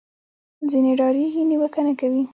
ځینې ډارېږي نیوکه نه کوي